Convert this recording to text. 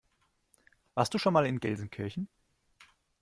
Warst du schon mal in Gelsenkirchen?